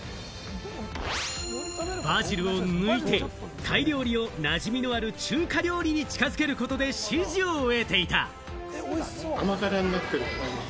バジルを抜いて、タイ料理をなじみのある中華料理に近づけることで支持を得ていた。